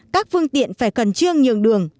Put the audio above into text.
các phương tiện phải cần trương nhường đường